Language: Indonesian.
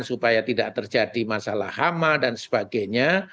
supaya tidak terjadi masalah hama dan sebagainya